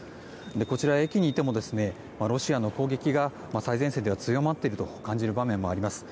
こちら、駅にいてもロシアの攻撃が最前線では強まっていると感じる場面もあります。